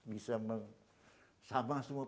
bisa sama semua